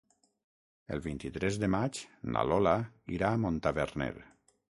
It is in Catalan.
El vint-i-tres de maig na Lola irà a Montaverner.